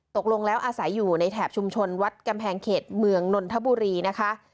ตกลงแล้วอาศัยอยู่ในแถบชุมชนวัดกำแพงเขตเมืองนนทบุรีนะคะ